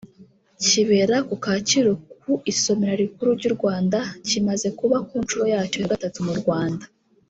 kibera ku Kacyiru ku isomero rikuru ry’u Rwanda kimaze kuba ku nshuro yacyo ya gatatu mu Rwanda